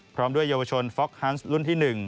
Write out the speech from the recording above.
พร้อมด้วยเยาวชนฟ็อกฮันส์รุ่นที่๑